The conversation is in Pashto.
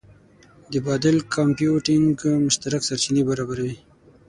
د بادل کمپیوټینګ مشترک سرچینې برابروي.